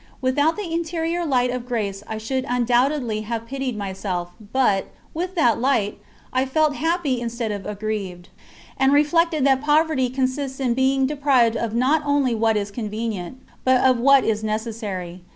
Without the interior light of grace I should undoubtedly have pitied myself, but, with that light, I felt happy instead of aggrieved, and reflected that poverty consists in being deprived not only of what is convenient, but of what is necessary.